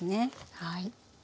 はい。